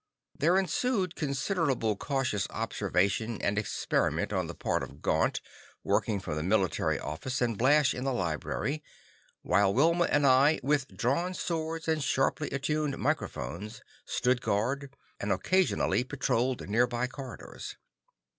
There ensued considerable cautious observation and experiment on the part of Gaunt, working from the military office, and Blash in the library; while Wilma and I, with drawn swords and sharply attuned microphones, stood guard, and occasionally patrolled nearby corridors.